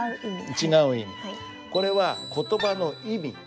これは「言葉の意味」。